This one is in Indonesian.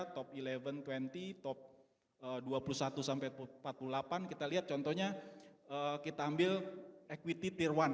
top sebelas dua puluh top dua puluh satu sampai empat puluh delapan kita lihat contohnya kita ambil equity t satu